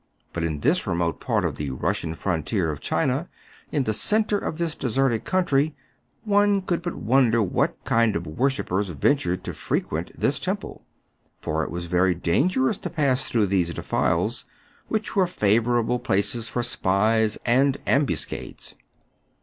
But in this remote part of the Russian frontier of China, in the centre of this deserted country, one could but wonder what kind of worshippers ventured to frequent this tem ple; for it was very dangerous to pass through these defiles, which were favorable places for spies and ambuscades.